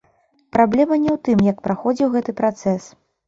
Праблема не ў тым, як праходзіў гэты працэс.